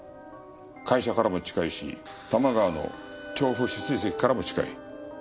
会社からも近いし多摩川の調布取水堰からも近い。